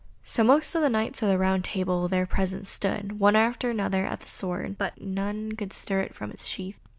So most of the Knights of the Round Table there present pulled, one after another, at the sword, but none could stir it from its sheath.